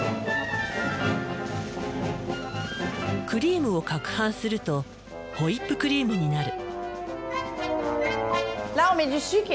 クリームをかくはんするとホイップクリームになる。